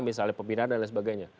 misalnya pembinaan dan lain sebagainya